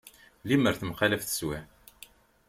Imir temxalaf teswiεt.